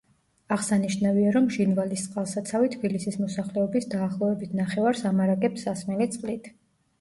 აღსანიშნავია, რომ ჟინვალის წყალსაცავი თბილისის მოსახლეობის დაახლოებით ნახევარს ამარაგებს სასმელი წყლით.